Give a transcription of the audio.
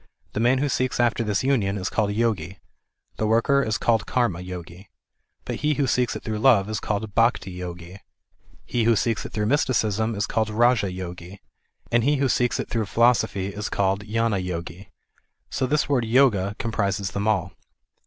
The man who seeks after this union is called Yogi. The worker is called Karma Yogi; he who seeks it through love is called Bhakti Yogi, he who seeks it through mysticism is called Raja Yogi; and he who seeks it through philosophy is called Gnana Yogi. So this word Yoga comprises them all.